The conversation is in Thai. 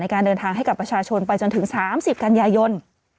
การเดินทางให้กับประชาชนไปจนถึง๓๐กันยายน